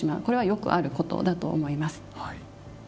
これはよくあることだと思います。